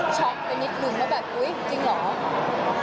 ช็อคไปนิดหนึ่งเป็นแบบอุ๊ยจริงเหรอ